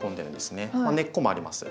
根っこもあります。